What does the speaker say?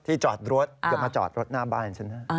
จอดรถอย่ามาจอดรถหน้าบ้านฉันนะ